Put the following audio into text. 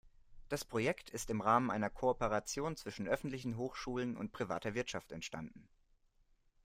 Das Projekt ist im Rahmen einer Kooperation zwischen öffentlichen Hochschulen und privater Wirtschaft entstanden.